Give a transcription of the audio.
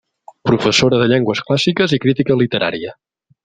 Professora de llengües clàssiques i crítica literària.